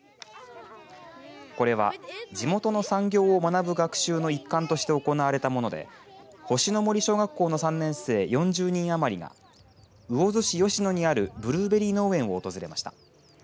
これは地元の産業を学ぶ学習の一環として行われたもので星の杜小学校の３年生４０人余りが魚津市吉野にあるブルーベリー農園を訪れました。